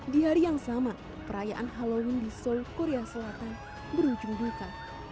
di hari yang sama perayaan halloween di seoul korea selatan berujung duka